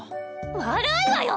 悪いわよ！